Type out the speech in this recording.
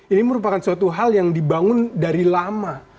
ini merupakan suatu hal yang dibangun dari lama